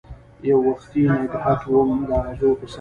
یووختي نګهت وم داغزو په سر